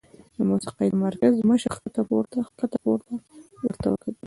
د موسيقۍ د مرکز مشر ښکته پورته ورته وکتل